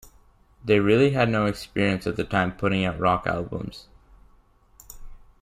They really had no experience at the time putting out rock albums.